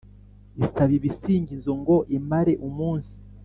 isaba ibisingizo ngo imare umunsi.